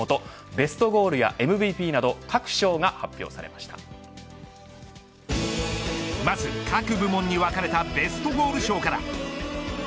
ベストゴールやＭＶＰなどまず、各部門に分かれたベストゴール賞から。